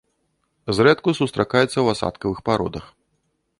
Зрэдку сустракаецца ў асадкавых пародах.